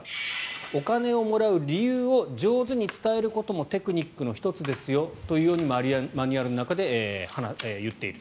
お金をもらう理由を上手に伝えることもテクニックの１つですよというようにマニュアルの中で言っている。